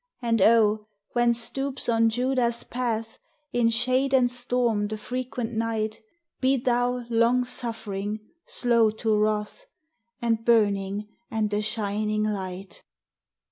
And O, when stoops on Judah's path In shade and storm the frequent night, 20G THE HIGHER LIFE. Be Thou, long suffering, slow to wrath, A burning and a shining light!